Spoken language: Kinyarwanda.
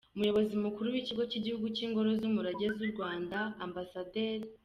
Umuyobozi mukuru w’Ikigo cy’Igihugu cy’Ingoro z’umurage w’u Rwanda, Amb.